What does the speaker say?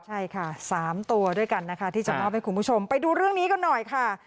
ใช่ค่ะ๓ตัวด้วยกันนะคะที่จะมอบให้คุณผู้ชมไปดูเรื่องนี้กันหน่อยค่ะ